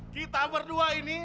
kita berdua ini